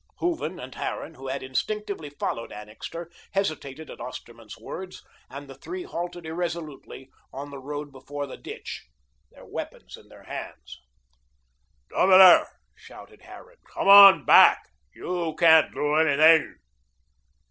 Hooven and Harran, who had instinctively followed Annixter, hesitated at Osterman's words and the three halted irresolutely on the road before the ditch, their weapons in their hands. "Governor," shouted Harran, "come on back. You can't do anything."